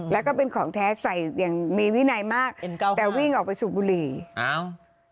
แล้วก็เป็นของแท้ใส่อย่างมีวินัยมากเป็นเก่าแต่วิ่งออกไปสูบบุหรี่อ้าว